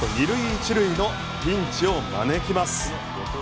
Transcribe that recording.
一塁のピンチを招きます。